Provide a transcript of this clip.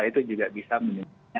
itu juga bisa menimbulkan